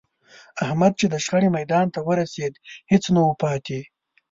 احمد چې د شخړې میدان ته ورسېد، هېڅ نه و پاتې